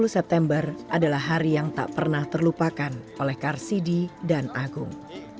dua puluh september adalah hari yang tak pernah terlupakan oleh karsidi dan agung